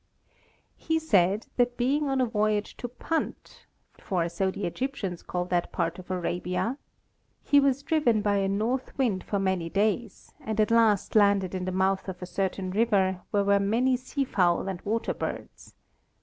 He said that being on a voyage to Punt (for so the Egyptians call that part of Arabia), he was driven by a north wind for many days, and at last landed in the mouth of a certain river where were many sea fowl and water birds.